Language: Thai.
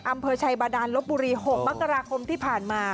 อำเภอชัยบาดานลบบุรี๖มกราคมที่ผ่านมา